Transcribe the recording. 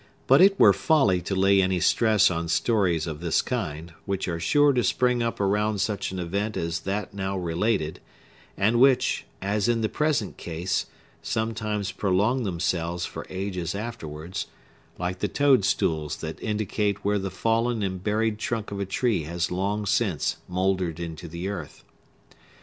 But it were folly to lay any stress on stories of this kind, which are sure to spring up around such an event as that now related, and which, as in the present case, sometimes prolong themselves for ages afterwards, like the toadstools that indicate where the fallen and buried trunk of a tree has long since mouldered into the earth.